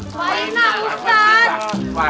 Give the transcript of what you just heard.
wah ini enak ustadz